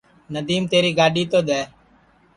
ندیم تیری گاڈؔی تو دؔے